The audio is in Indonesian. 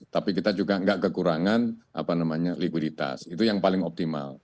tapi kita juga nggak kekurangan likuiditas itu yang paling optimal